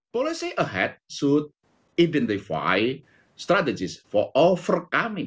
polisi depan harus mencari strategi untuk mengelakkan efek scaring